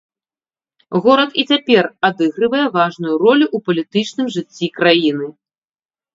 Горад і цяпер адыгрывае важную ролю ў палітычным жыцці краіны.